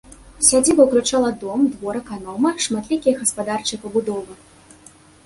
Сядзіба ўключала дом, двор аканома, шматлікія гаспадарчыя пабудовы.